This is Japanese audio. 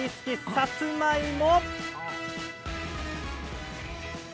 さつまいも。